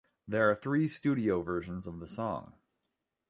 There are three studio versions of the song.